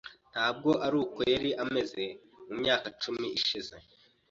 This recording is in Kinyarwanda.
Ntabwo ari uko yari ameze mu myaka icumi ishize .